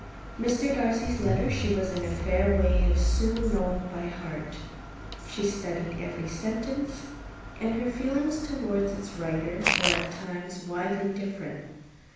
Mr. Darcy's letter she was in a fair way of soon knowing by heart. She studied every sentence; and her feelings towards its writer were at times widely different.